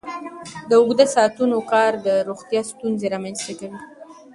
د اوږده ساعتونو کار د روغتیا ستونزې رامنځته کوي.